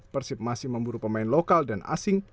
persib masih memburu pemain lokal dan asing